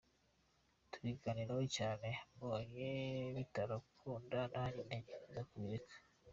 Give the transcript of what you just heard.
Tubiganiraho cyane mbonye bitarakunda, nanjye ntekereza kubireka.